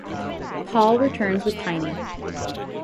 Paul returns with Tiny.